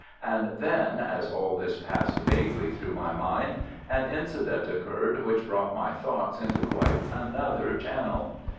And then, as all this passed vaguely through my mind, an incident occurred which brought my thoughts into quite another channel.